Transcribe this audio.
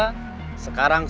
sekarang saya akan mencari